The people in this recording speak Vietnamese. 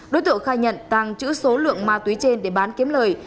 đối tượng khai nhận tàng trữ số lượng ma túy trên để bán kiếm lời